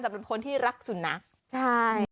สำหรับคนที่รักสุดนะ